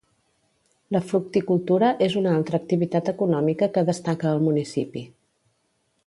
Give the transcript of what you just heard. La fructicultura és una altra activitat econòmica que destaca al municipi.